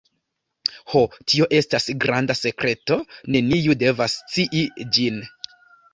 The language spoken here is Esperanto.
Ho, tio estas granda sekreto; neniu devas scii ĝin.